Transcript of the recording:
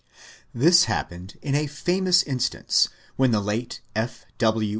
This happened in a famous instance, when the late F. W.